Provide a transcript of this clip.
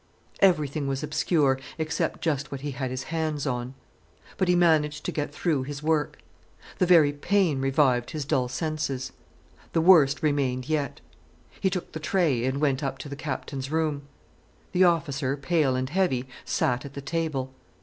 Everything was obscure, except just what he had his hands on. But he managed to get through his work. The very pain revived his dull senses. The worst remained yet. He took the tray and went up to the Captain's room. The officer, pale and heavy, sat at the table.